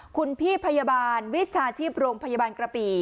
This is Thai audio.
คุณพี่พยาบาลวิชาชีพโรงพยาบาลกระบี่